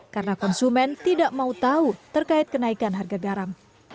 karena konsumen tidak mau tahu terkait kenaikan harga garam